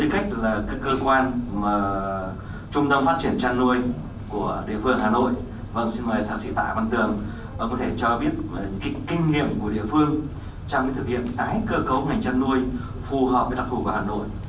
kinh nghiệm của địa phương trong thực hiện tái cơ cấu ngành chăn nuôi phù hợp với độc thủ của hà nội